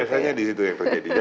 biasanya disitu yang terjadi